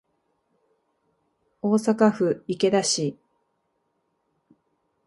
大阪府池田市